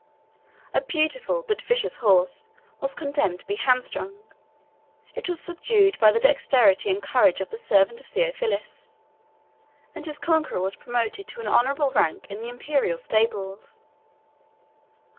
A beautiful but vicious horse was condemned to be hamstrung: it was subdued by the dexterity and courage of the servant of Theophilus; and his conqueror was promoted to an honorable rank in the Imperial stables.